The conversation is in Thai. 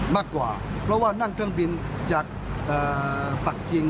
มากกว่าเพราะว่านั่งเครื่องบินจากปากกิง